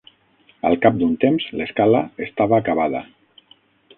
Al cap d'un temps, l'escala estava acabada.